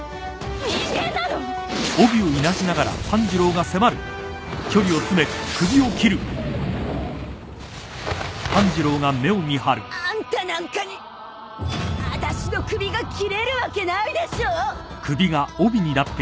人間なの！？あんたなんかにあたしの首が斬れるわけないでしょ！